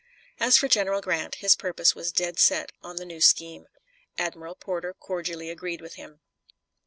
As for General Grant, his purpose was dead set on the new scheme. Admiral Porter cordially agreed with him.